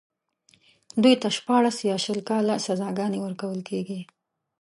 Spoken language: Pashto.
دوی ته شپاړس يا شل کاله سزاګانې ورکول کېږي.